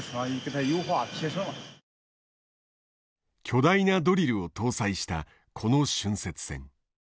巨大なドリルを搭載したこの浚渫船。